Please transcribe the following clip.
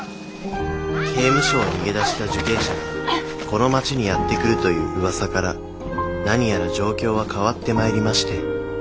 刑務所を逃げ出した受刑者がこの町にやって来るという噂から何やら状況は変わってまいりまして。